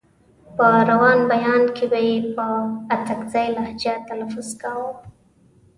په روان بيان کې به يې په اڅکزۍ لهجه تلفظ کاوه.